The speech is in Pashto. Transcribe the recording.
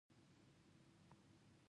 بادرنګ د سلاد یوه مهمه برخه ده.